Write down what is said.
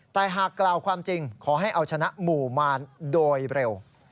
แต่หากกล่าวความจริงขอให้เอาชนะหมู่มารโดยเร็ว